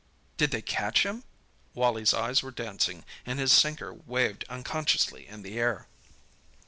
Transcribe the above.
"Did they catch him?" Wally's eyes were dancing, and his sinker waved unconsciously in the air.